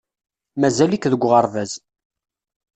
Mazal-ik deg uɣerbaz.